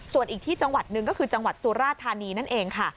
ส่วนอีกที่จังหวัดหนึ่งก็คือจังหวัดสุราธานีนั่นเองค่ะ